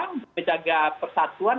untuk menjaga persatuan